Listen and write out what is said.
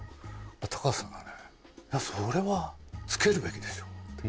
高畑さんがね、これはつけるべきでしょ。